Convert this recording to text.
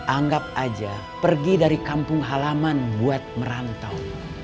anggap aja pergi dari kampung halaman buat merantau